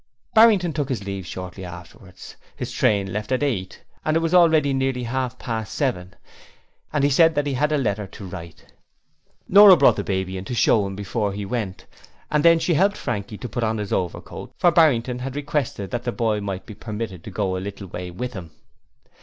Barrington took his leave shortly afterwards. His train left at eight; it was already nearly half past seven, and he said he had a letter to write. Nora brought the baby in to show him before he went, and then she helped Frankie to put on his overcoat, for Barrington had requested that the boy might be permitted to go a little way with him.